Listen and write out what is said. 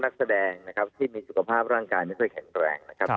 นักแสดงนะครับที่มีสุขภาพร่างกายไม่ค่อยแข็งแรงนะครับ